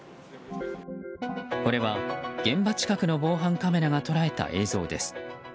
これは現場近くの防犯カメラが捉えた映像です。